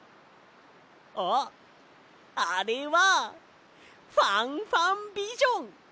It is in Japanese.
あっあれはファンファンビジョン！